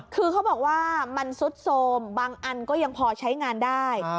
คือเขาบอกว่ามันซุดโทรมบางอันก็ยังพอใช้งานได้